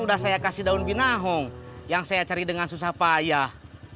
udah saya kasih daun binahong yang saya cari dengan susah payah